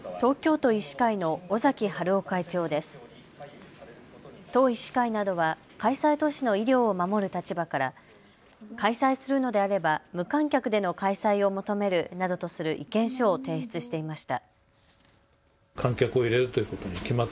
都医師会などは開催都市の医療を守る立場から開催するのであれば無観客での開催を求めるなどとする意見書を提出していました。